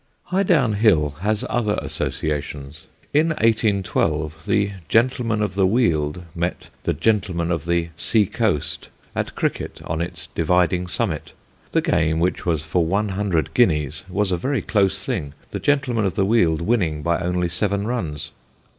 Highdown Hill has other associations. In 1812 the Gentlemen of the Weald met the Gentlemen of the Sea coast at cricket on its dividing summit. The game, which was for one hundred guineas, was a very close thing, the Gentlemen of the Weald winning by only seven runs.